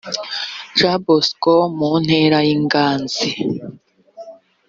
jean bosco mu ntera y ingazi